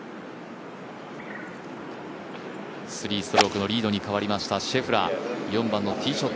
３ストロークのリードに変わりましたシェフラー。